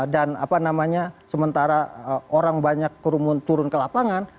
dan apa namanya sementara orang banyak turun ke lapangan